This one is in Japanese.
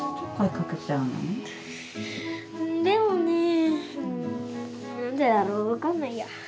でもね。